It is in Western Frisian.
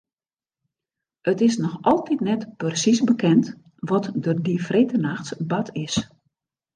It is noch altyd net persiis bekend wat der dy freedtenachts bard is.